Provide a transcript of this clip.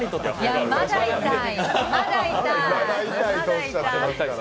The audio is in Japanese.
まだ痛い。